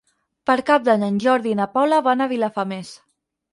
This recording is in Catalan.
Per Cap d'Any en Jordi i na Paula van a Vilafamés.